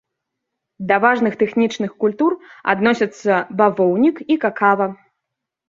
Да важных тэхнічных культур адносяцца бавоўнік і какава.